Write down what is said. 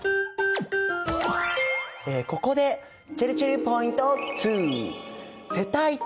ここでちぇるちぇるポイント２。